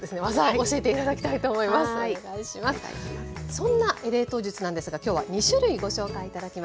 そんな冷凍術なんですが今日は２種類ご紹介頂きます。